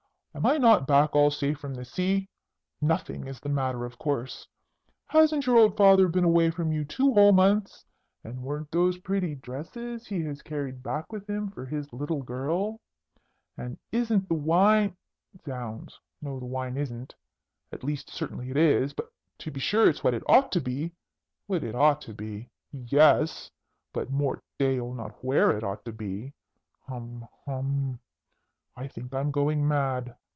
Am I not back all safe from the sea? Nothing is the matter, of course! Hasn't your old father been away from you two whole months? And weren't those pretty dresses he has carried back with him for his little girl? And isn't the wine Zounds, no, the wine isn't at least, certainly it is to be sure it's what it ought to be what it ought to be? Yes! But, Mort d'aieul! not where it ought to be! Hum! hum! I think I am going mad!"